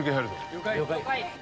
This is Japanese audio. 了解。